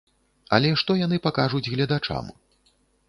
Але што яны пакажуць гледачам?